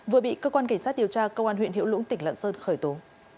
vừa bị cơ quan cảnh sát điều tra công an huyện hiệu lũng tỉnh lạng sơn khởi tố